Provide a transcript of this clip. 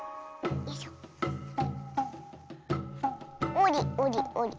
おりおりおり。